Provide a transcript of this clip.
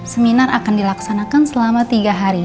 seminar akan dilaksanakan selama tiga hari